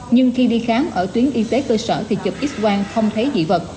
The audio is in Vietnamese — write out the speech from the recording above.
nhưng khi đi khám ở tuyến y tế cơ sở thì chụp x quang không thấy dị vật